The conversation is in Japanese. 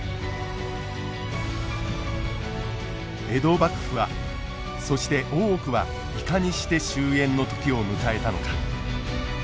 江戸幕府はそして大奥はいかにして終えんの時を迎えたのか。